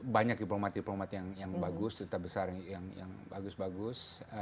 banyak diplomat diplomat yang bagus tetap besar yang bagus bagus